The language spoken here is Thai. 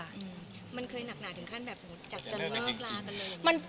มันเคยหนักหนาถึงขั้นแบบอยากจะเลือกลากันเลยอย่างนี้มั้ย